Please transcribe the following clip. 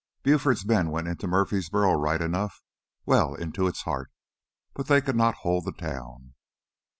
Buford's men went into Murfreesboro right enough, well into its heart. But they could not hold the town.